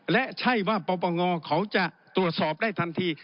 และใช่ว่าปปงเขาจะตรวจสอบได้ทันที